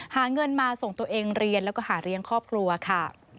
หาเงินมาส่งตัวเองเรียนแล้วก็หาเลี้ยงครอบครัวค่ะ